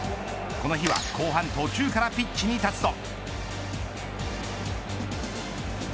この日は後半途中からピッチに立つと。